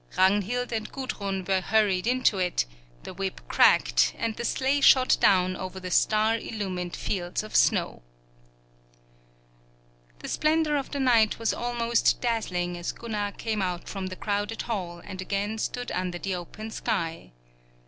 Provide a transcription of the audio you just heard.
Ragnhild and Gudrun were hurried into it, the whip cracked, and the sleigh shot down over the star illumined fields of snow. The splendor of the night was almost dazzling as Gunnar came out from the crowded hall and again stood under the open sky.